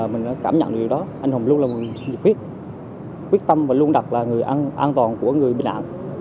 mình đã cảm nhận được điều đó anh hùng luôn là người dịch huyết quyết tâm và luôn đặt là người an toàn của người bình an